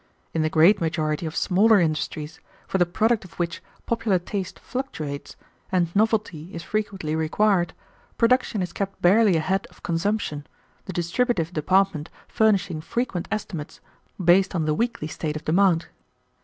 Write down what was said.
In the great majority of smaller industries for the product of which popular taste fluctuates, and novelty is frequently required, production is kept barely ahead of consumption, the distributive department furnishing frequent estimates based on the weekly state of demand.